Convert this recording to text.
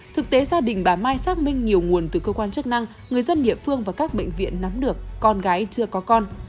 thực tế gia đình bà mai xác minh nhiều nguồn từ cơ quan chức năng người dân địa phương và các bệnh viện nắm được con gái chưa có con